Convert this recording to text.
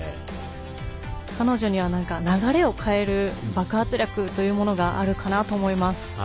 彼女には流れを変える爆発力があるかなと思います。